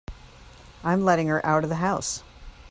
I'm letting her out of the house.